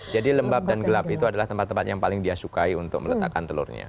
lembab dan gelap itu adalah tempat tempat yang paling dia sukai untuk meletakkan telurnya